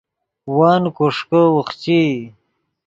ون کوݰکے اوخچئی